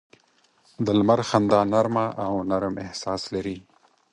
د لمر خندا نرمه او نرم احساس لري